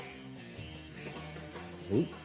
おっ。